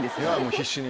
必死に。